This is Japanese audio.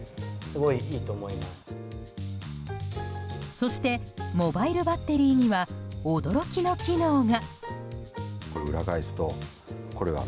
そしてモバイルバッテリーには驚きの機能が。